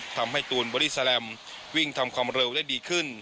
ทำให้ตูนบอลิสาแลมวิ่งทำความเร็วได้ดีขึ้น